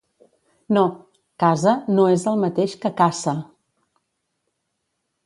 No, casa no és el mateix que caça